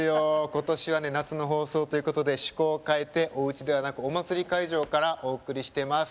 今年はね夏の放送ということで趣向を変えておうちではなくお祭り会場からお送りしてます。